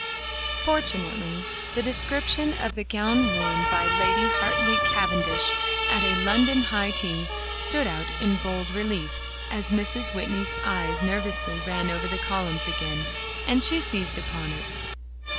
Fortunately the description of the gown worn by Lady Hartly Cavendish at a London high tea, stood out in bold relief, as Mrs. Whitney's eyes nervously ran over the columns again, and she seized upon it.